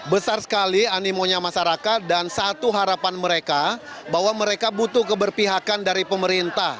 besar sekali animonya masyarakat dan satu harapan mereka bahwa mereka butuh keberpihakan dari pemerintah